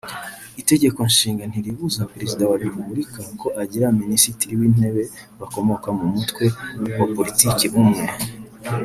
Itegeko Nshinga ntiribuza Perezida wa Repubulika ko agira Minisitiri w’Intebe bakomoka mu mutwe wa politiki umwe